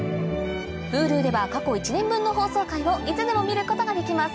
Ｈｕｌｕでは過去１年分の放送回をいつでも見ることができます